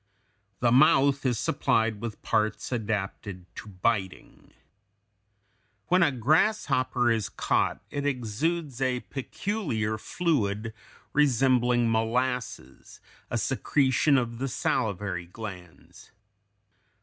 The mouth is supplied with parts adapted to biting. When a grasshopper (Fig. 195) is caught it exudes a peculiar fluid resembling molasses, a secretion of the salivary glands.